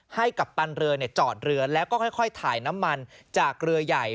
กัปตันเรือจอดเรือแล้วก็ค่อยถ่ายน้ำมันจากเรือใหญ่